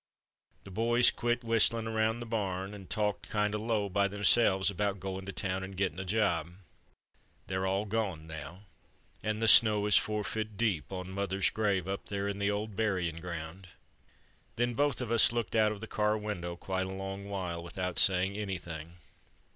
The boys quit whistlin' around the barn and talked kind of low by themselves about going to town and gettin' a job. "They're all gone now and the snow is four feet deep on mother's grave up there in the old berryin' ground." Then both of us looked out of the car window quite a long while without saying anything.